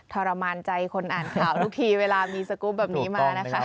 ทรมานใจคนอ่านข่าวทุกทีเวลามีสกรูปแบบนี้มานะคะ